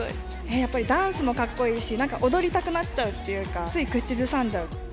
やっぱりダンスもかっこいいし、なんか踊りたくなっちゃうというか、つい口ずさんじゃう。